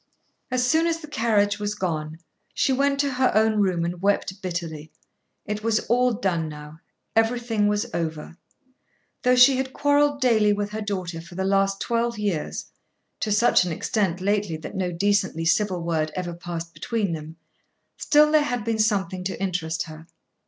As soon as the carriage was gone, she went to her own room and wept bitterly. It was all done now. Everything was over. Though she had quarrelled daily with her daughter for the last twelve years, to such an extent lately that no decently civil word ever passed between them, still there had been something to interest her.